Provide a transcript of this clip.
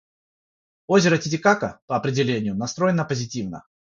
Озеро Титикака, по определению, настроено позитивно.